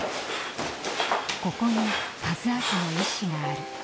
「ここに和明の意思がある。